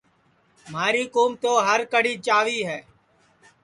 مھاری کُُوم تو ہر کڑھی چاوی ہے